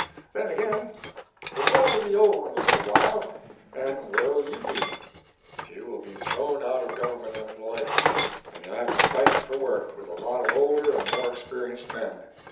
Then again, the war will be over in a little while and where 11 you be? You will be thrown out of Government employ and you ll have to fight for work with a lot of older and more experienced men.